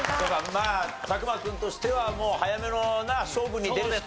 まあ佐久間君としてはもう早めのな勝負に出るしか。